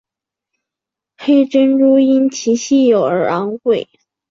黑珍珠因其稀有而昂贵。